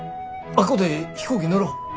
あっこで飛行機乗ろ。